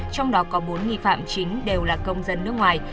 trong đó có bốn nghi phạm chính đều là công dân nước ngoài